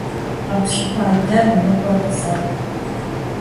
Къэпщыпа дэм и ныкъуэр къызэт!